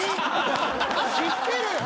知ってるよ。